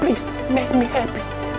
tolong buat aku bahagia